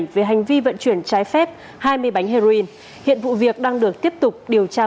về hành vi vận chuyển trái phép hai mươi bánh heroin hiện vụ việc đang được tiếp tục điều tra